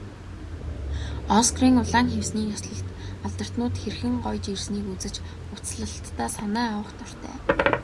Оскарын улаан хивсний ёслолд алдартнууд хэрхэн гоёж ирснийг үзэж, хувцаслалтдаа санаа авах дуртай.